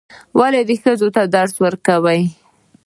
ولې ښځو ته درس ورکوئ؟